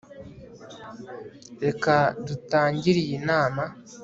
reka dutangire iyi nama